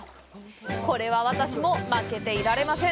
これは私も負けていられません！